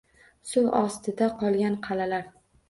Suv ostida qolgan qal’alar